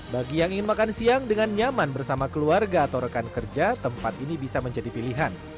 bagi yang ingin makan siang dengan nyaman bersama keluarga atau rekan kerja tempat ini bisa menjadi pilihan